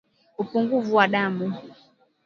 upungufu wa damu